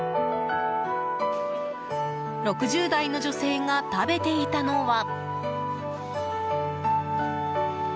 ６０代の女性が食べていたのは。